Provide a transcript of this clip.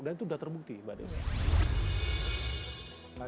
dan itu udah terbukti mbak desya